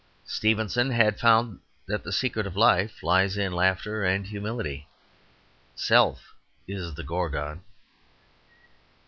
Stevenson had found that the secret of life lies in laughter and humility. Self is the gorgon.